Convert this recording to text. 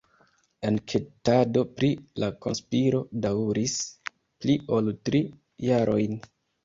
Enketado pri la konspiro daŭris pli ol tri jarojn.